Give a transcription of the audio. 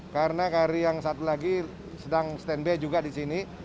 karena kri yang satu lagi sedang stand by juga di sini